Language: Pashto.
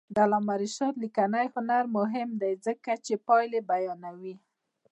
د علامه رشاد لیکنی هنر مهم دی ځکه چې پایلې بیانوي.